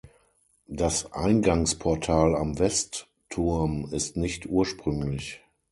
Das Eingangsportal am Westturm ist nicht ursprünglich.